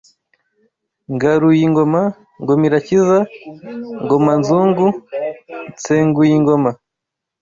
Ngaruyingoma Ngomirakiza Ngomanzungu Nseguyingoma